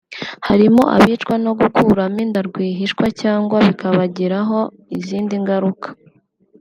harimo abicwa no gukuramo inda rwihishwa cyangwa bikabagiraho izindi ngaruka